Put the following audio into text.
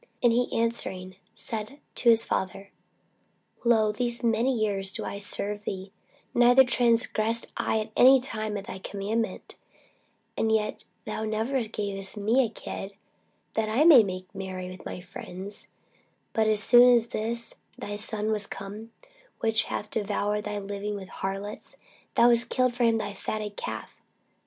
And he answering said to his father, Lo, these many years do I serve thee, neither transgressed I at any time thy commandment: and yet thou never gavest me a kid, that I might make merry with my friends: but as soon as this thy son was come, which hath devoured thy living with harlots, thou hast killed for him the fatted calf.